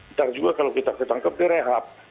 ntar juga kalau kita ketangkep direhab